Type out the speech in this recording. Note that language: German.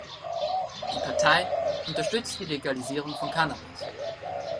Die Partei unterstützt die Legalisierung von Cannabis.